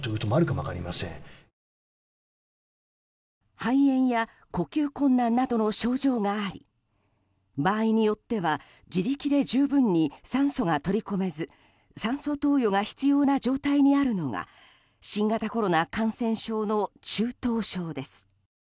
肺炎や呼吸困難などの症状があり場合によっては自力で十分に酸素が取り込めず酸素投与が必要な状態にあるのが新型コロナ感染症の中等症です。